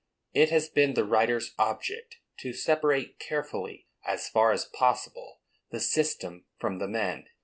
It has been the writer's object to separate carefully, as far as possible, the system from the men.